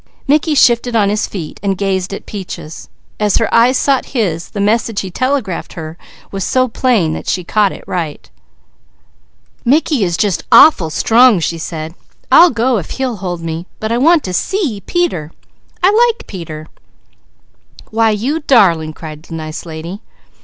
Mickey shifted on his feet and gazed at Peaches; as her eyes sought his, the message he telegraphed her was so plain that she caught it right. "Mickey is just awful strong," she said. "I'll go if he'll hold me. But I want to see Peter! I like Peter!" "Why you darling!" cried the nice lady.